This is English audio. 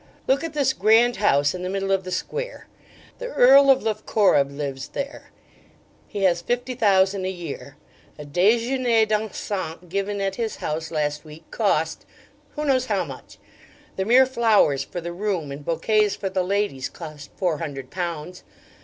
Look at this grand house in the middle of the square. The Earl of Loughcorrib lives there: he has fifty thousand a year. A DEJEUNER DANSANT given at his house last week cost, who knows how much? The mere flowers for the room and bouquets for the ladies cost four hundred pounds.